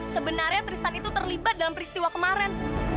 sebenarnya tristan itu terlibat dalam peristiwa kemarin